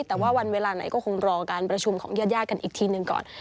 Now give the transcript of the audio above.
แต่ว่าวันเวลาไหนก็คงรอการประชุมของญาติกันอีกทีหนึ่งก่อน